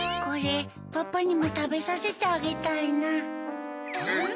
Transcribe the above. これパパにもたべさせてあげたいな。